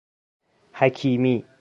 حکیمی